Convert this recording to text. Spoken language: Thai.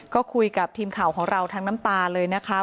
ก็คุยกับทีมข่าวของเราทั้งน้ำตาเลยนะคะ